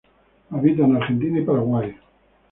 Habita en Argentina y Paraguay.